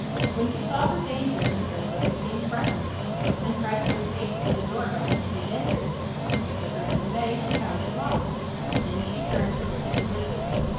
When she saw her danger the Princess became frightened, and tried to escape through the door by which she had entered; but to her dismay she found it locked. Then she turned to look at the Wizard.